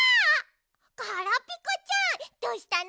ガラピコちゃんどうしたの？